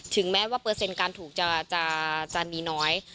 แม้ว่าเปอร์เซ็นต์การถูกจะมีน้อย